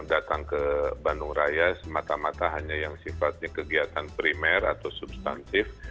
datang ke bandung raya semata mata hanya yang sifatnya kegiatan primer atau substantif